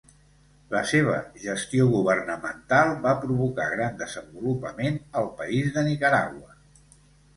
La seva gestió governamental va provocar gran desenvolupament al país de Nicaragua.